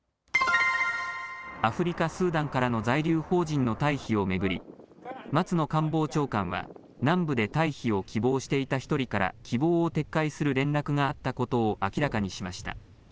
アフリカ・スーダンからの在留邦人の退避を巡り松野官房長官は南部で退避を希望していた１人から希望を撤回する連絡があったことを明らかにしました。